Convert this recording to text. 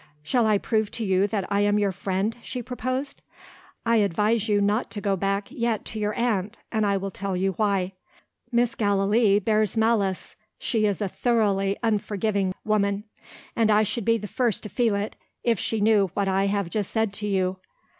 "Shall I prove to you that I am your friend?" she proposed. "I advise you not to go back yet to your aunt and I will tell you why. Mrs. Gallilee bears malice; she is a thoroughly unforgiving woman. And I should be the first to feel it, if she knew what I have just said to you."